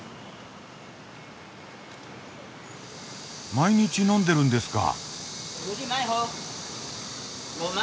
毎日飲んでるんですか？